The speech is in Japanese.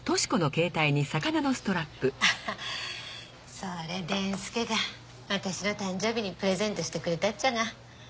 それ伝助が私の誕生日にプレゼントしてくれたっちゃが。